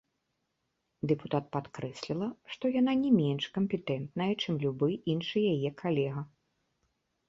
Дэпутат падкрэсліла, што яна не менш кампетэнтная, чым любы іншы яе калега.